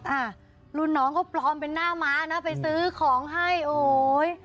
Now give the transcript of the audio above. อ่ารุ่นน้องเขาปลอมเป็นหน้าม้านะไปซื้อของให้โอ้ย